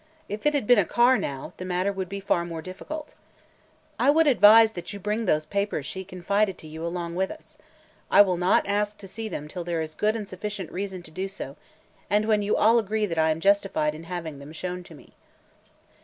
If it had been a car now, the matter would be far more difficult. I would also advise that you bring those papers she confided to you along with us. I will not ask to see them till there is good and sufficient reason to do so, and when you all agree that I am justified in having them shown to me."